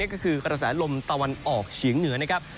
ก็คือประสาทลมตะวันออกเฉียงเหนือ